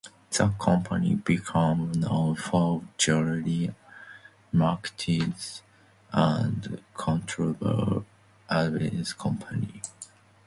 The company became known for guerilla marketing and controversial advertising campaigns.